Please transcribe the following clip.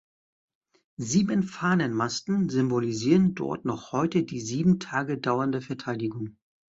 Sieben Fahnenmasten symbolisieren dort noch heute die sieben Tage dauernde Verteidigung.